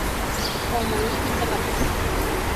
Omoĩ isapatu.